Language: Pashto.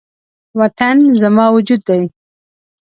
وطن زما وجود دی